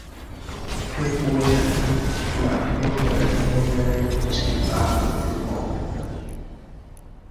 ekwuole na e nwere ịhe mere mmiri jiri baa n'opi ụgbọgụrụ